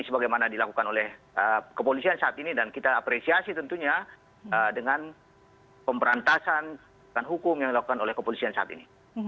sebagaimana dilakukan oleh kepolisian saat ini dan kita apresiasi tentunya dengan pemberantasan hukum yang dilakukan oleh kepolisian saat ini